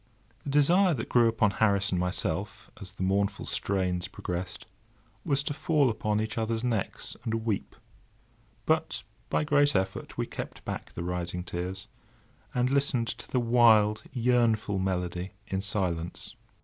The desire that grew upon Harris and myself, as the mournful strains progressed, was to fall upon each other's necks and weep; but by great effort we kept back the rising tears, and listened to the wild yearnful melody in silence.